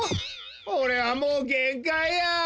おれはもうげんかいや！